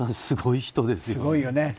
すごい人ですよね。